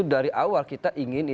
pikiran dulu bahwa membangun dki